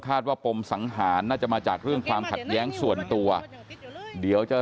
ว่าปมสังหารน่าจะมาจากเรื่องความขัดแย้งส่วนตัวเดี๋ยวจะ